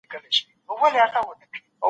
ته تېره مياشت په کوم ځای کي اوسېدې؟